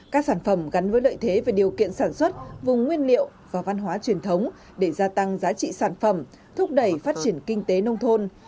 các sản phẩm gắn với lợi thế về điều kiện sản xuất vùng nguyên liệu và văn hóa truyền thống để gia tăng giá trị sản phẩm thúc đẩy phát triển kinh tế nông thôn